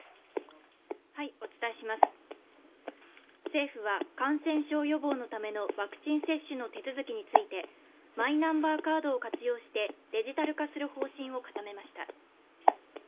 政府は感染症予防のためのワクチン接種の手続きについてマイナンバーカードを活用してデジタル化する方針を固めました。